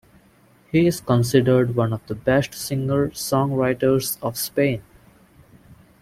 He is considered one of the best singer-songwriters of Spain.